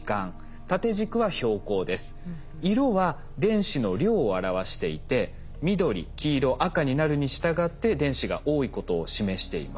色は電子の量を表していて緑黄色赤になるにしたがって電子が多いことを示しています。